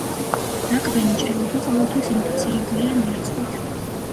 ნაკბენი ჭრილობა ყოველთვის ინფიცირებულია ნერწყვით.